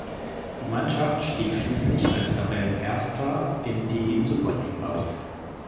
Die Mannschaft stieg schließlich als Tabellenerster in die Super League auf.